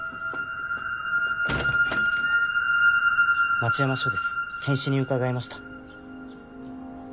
町山署です検視に伺いました。